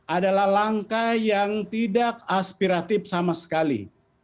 adalah langkah yang tidak aspiratif sama sekali